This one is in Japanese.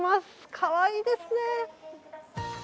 かわいいですね。